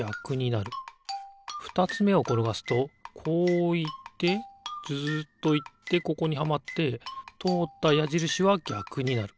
ふたつめをころがすとこういってずっといってここにはまってとおったやじるしはぎゃくになる。